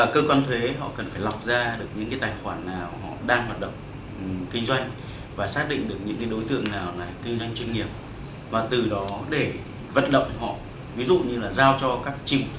cơ quan thuế họ cần phải lọc ra